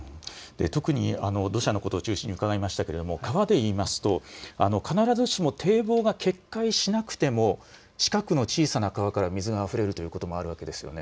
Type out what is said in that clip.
特に土砂のことを中心に伺いましたが、川でいいますと必ずしも堤防が決壊しなくても近くの小さな川から水があふれるということもあるわけですよね。